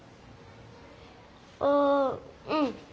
あうん。